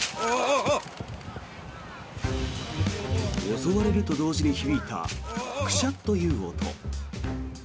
襲われると同時に響いたクシャッという音。